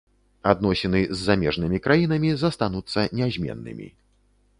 Адносіны з замежнымі краінамі застануцца нязменнымі.